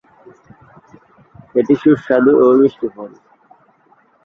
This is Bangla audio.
এটি সুস্বাদু ও মিষ্টি ফল।